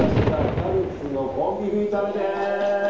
キャベツのコンビーフ炒めです。